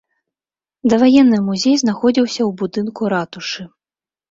Даваенны музей знаходзіўся ў будынку ратушы.